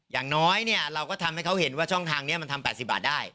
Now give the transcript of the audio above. อย่างน้อยเนี่ยเราก็ทำให้เขาเห็นว่าช่องทางนี้มันทำ๘๐บาทได้